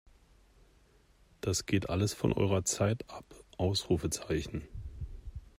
Das geht alles von eurer Zeit ab!